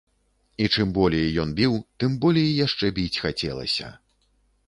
І чым болей ён біў, тым болей яшчэ біць хацелася.